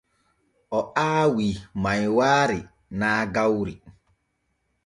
O aawi maywaari naa gawri.